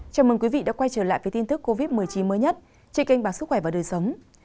chào mừng quý vị đã quay trở lại với tin tức covid một mươi chín mới nhất trên kênh báo sức khỏe và đời sống